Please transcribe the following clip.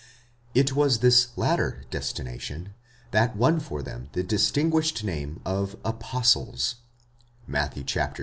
It was this latter destination that won for them the distinguished name of apostles, ἀπόστολοι (Matt.